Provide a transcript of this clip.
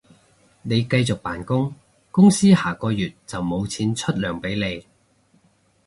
你繼續扮工，公司下個月就無錢出糧畀你